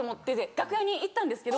楽屋に行ったんですけど。